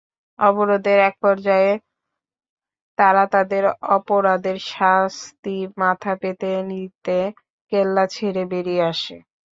অবরোধের এক পর্যায়ে তারা তাদের অপরাধের শাস্তি মাথা পেতে নিতে কেল্লা ছেড়ে বেরিয়ে আসে।